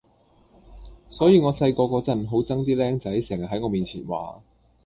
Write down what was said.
所以我細個嗰陣好憎啲儬仔成日喺我面前話